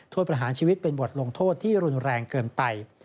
ประหารชีวิตเป็นบทลงโทษที่รุนแรงเกินไป